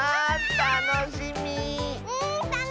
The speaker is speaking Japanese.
たのしみ！